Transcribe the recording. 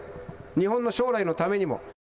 日本の将来のためにも。